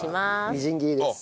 みじん切りです。